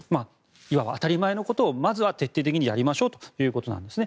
いわば当たり前のことをまずは徹底的にやりましょうということなんですね。